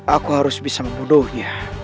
aku harus bisa membunuhnya